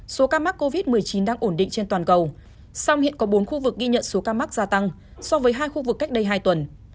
số ca mắc covid một mươi chín đang ổn định trên toàn cầu song hiện có bốn khu vực ghi nhận số ca mắc gia tăng so với hai khu vực cách đây hai tuần